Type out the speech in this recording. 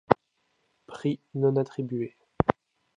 Prix non attribué.